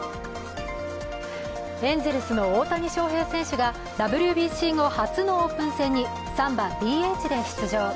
エンゼルスの大谷翔平選手がＷＢＣ後初のオープン戦に３番・ＤＨで出場。